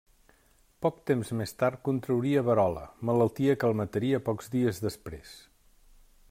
Poc temps més tard contrauria verola, malaltia que el mataria pocs dies després.